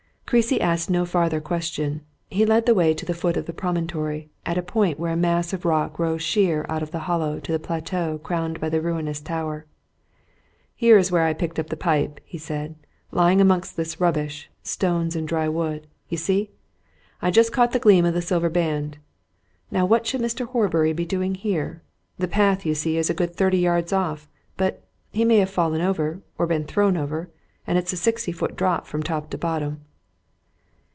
Creasy asked no farther question. He led the way to the foot of the promontory, at a point where a mass of rock rose sheer out of the hollow to the plateau crowned by the ruinous tower. "Here's where I picked up the pipe," he said. "Lying amongst this rubbish stones and dry wood, you see I just caught the gleam of the silver band. Now what should Mr. Horbury be doing down here? The path, you see, is a good thirty yards off. But he may have fallen over or been thrown over and it's a sixty feet drop from top to bottom."